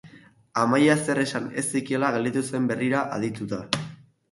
Amaia zer esan ez zekiela gelditu zen berria adituta.